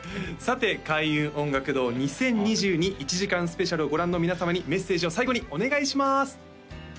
さて開運音楽堂２０２２１時間ＳＰ！！をご覧の皆様にメッセージを最後にお願いします